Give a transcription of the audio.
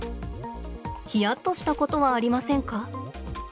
ヒヤッとしたことはありませんか？